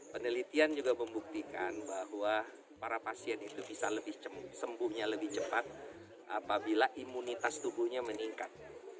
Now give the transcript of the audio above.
penelitian juga membuktikan bahwa para pasien itu bisa sembuhnya lebih cepat apabila imunitas tubuhnya meningkat